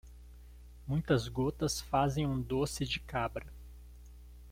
Muitas gotas fazem um doce de cabra.